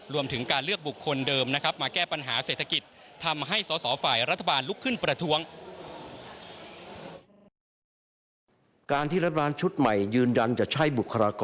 รวมถึงการเลือกบุคคลเดิมนะครับ